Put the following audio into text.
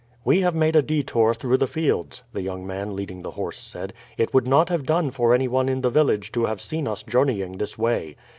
"We have made a detour through the fields," the young man leading the horse said. "It would not have done for anyone in the village to have seen us journeying this way."